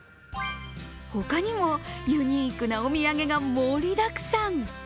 ほかにもユニークなお土産が盛りだくさん。